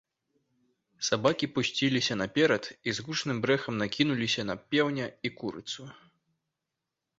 Сабакі пусціліся наперад і з гучным брэхам накінуліся на пеўня і курыцу.